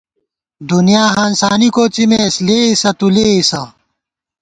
دُنیا ہانسانی کوڅِمېس ، لېئیسہ تُو لېئیسہ